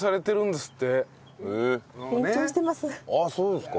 あっそうですか。